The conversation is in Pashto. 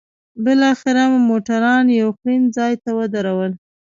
بالاخره مو موټران یو خوړنځای ته ودرول.